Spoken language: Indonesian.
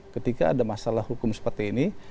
ketika ada masalah hukum seperti ini